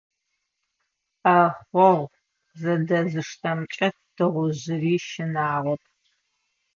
Ӏэхъогъу зэдэзыштэмкӏэ тыгъужъыри щынагъоп.